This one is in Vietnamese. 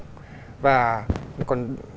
đó là một bức ảnh